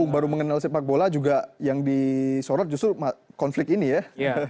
baru mengenal sepak bola juga yang disorot justru konflik ini ya